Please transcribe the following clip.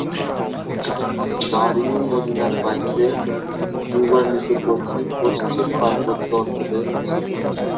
বাড়ি মদীনার বাইরে কিউবার নিকটবর্তী পশ্চিম পার্বত্য অঞ্চলে ছিল।